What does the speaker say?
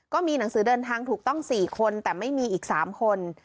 การสื่อเดินทางถูกต้อง๔คนแต่ไม่มีอีก๓คน